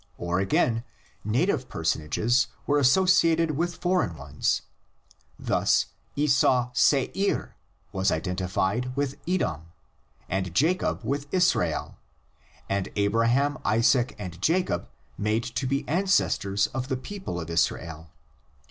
Or again, native personages were associated with the foreign ones: thus Esau Se'ir was identified with Edom, and Jacob with Israel, and Abraham, Isaac and Jacob made to be ancestors of the people of Israel.